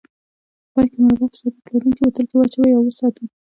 په پای کې مربا په سرپوښ لرونکي بوتل کې واچوئ او وساتئ.